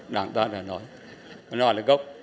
đảng ta đã nói văn hóa là gốc